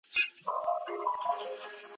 نیمګړی سفر